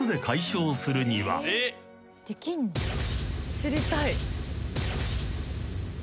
知りたい。